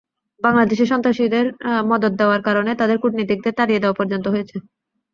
বাংলাদেশে সন্ত্রাসীদের মদদ দেওয়ার কারণে তাদের কূটনীতিকদের তাড়িয়ে পর্যন্ত দিতে হয়েছে।